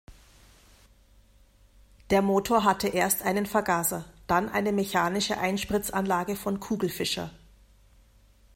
Der Motor hatte erst einen Vergaser, dann eine mechanische Einspritzanlage von Kugelfischer.